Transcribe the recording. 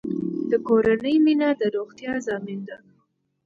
د کورنۍ مینه د روغتیا ضامن ده.